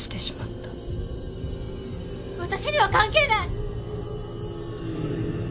私には関係ない！